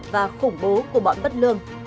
và khủng bố của bọn bất lương